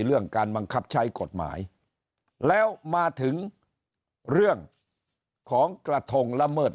เรื่องการบังคับใช้กฎหมายแล้วมาถึงเรื่องของกระทงละเมิด